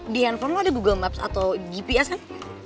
di handphone lo ada google maps atau gps kan